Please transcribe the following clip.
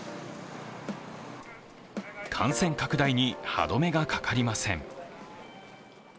感染拡大に歯止めがかかりません。